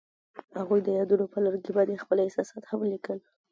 هغوی د یادونه پر لرګي باندې خپل احساسات هم لیکل.